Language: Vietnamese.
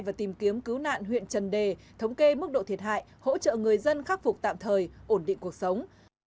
và tìm kiếm cứu nạn huyện trần đề thống kê mức độ thiệt hại hỗ trợ người dân khắc phục tạm thời ổn định cuộc sống